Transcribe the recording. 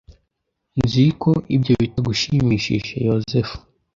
Nzi ko ibyo bitagushimishije (Yozefu)